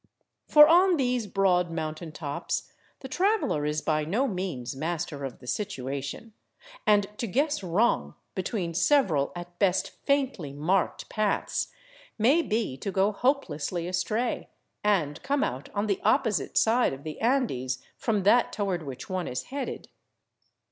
For on these broad mountain tops the traveler is by no means master of the situation, and to guess wrong between several at best faintly marked paths may be to go hopelessly astray, and come out on the opposite side of the Andes from that toward which one is headed.